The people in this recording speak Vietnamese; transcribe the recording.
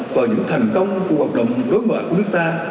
và những thành công của hoạt động đối ngoại của nước ta